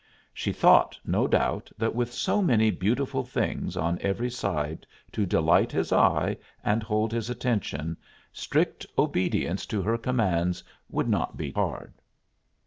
She thought, no doubt, that with so many beautiful things on every side to delight his eye and hold his attention, strict obedience to her commands would not be hard.